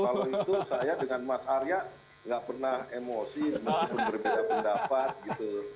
kalau itu saya dengan mas arya nggak pernah emosi meskipun berbeda pendapat gitu